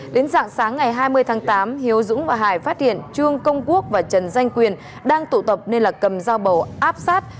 đến dạng sáng ngày hai mươi tháng tám hiếu dũng và hải phát hiện trương công quốc và trần danh quyền đang tụ tập nên là cầm dao bầu áp sát